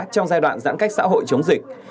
trong giai đoạn giãn cách xã hội chống dịch